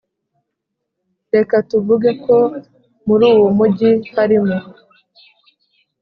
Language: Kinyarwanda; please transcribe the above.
Reka tuvuge ko muri uwo mugi harimo